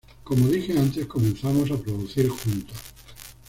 Como dije antes, comenzamos a producir juntos.